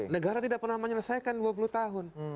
negara tidak pernah menyelesaikan dua puluh tahun